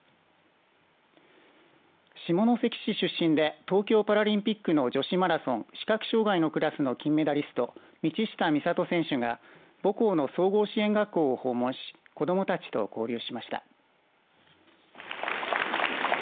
下関市出身で東京パラリンピックの女子マラソン視覚障害のクラスの金メダリスト道下美里選手が母校の総合支援学校を訪問し子どもたちと交流しました。